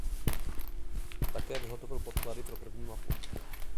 Také vyhotovil podklady pro první mapu.